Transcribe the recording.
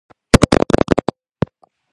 ჩრდილოეთ საფრანგეთში მას შეესაბამებოდა ბაი.